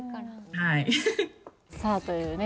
はいさあというね